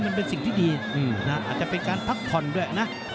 มันเป็นสิ่งที่ดีอาจจะเป็นการพักผ่อนด้วยนะ